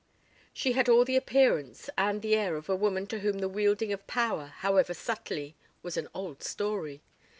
She had all the appearance and the air of a woman to whom the wielding of power, however subtly, was an old story.